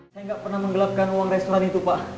saya nggak pernah menggelapkan uang restoran itu pak